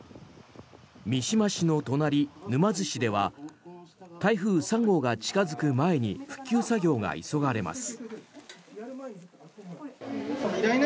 三島市の隣、沼津市では台風３号が近付く前に復旧作業が急がれます。